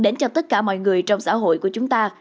đến cho tất cả mọi người trong xã hội của chúng ta